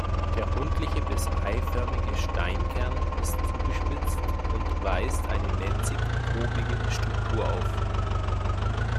Der rundliche bis eiförmige Steinkern ist zugespitzt und weist eine netzig-grubige Struktur auf.